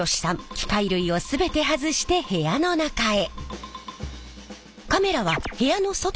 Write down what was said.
機械類を全て外して部屋の中へ。